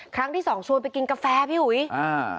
ครั้งที่สองชวนไปกินกาแฟพี่อุ๋ยอ่า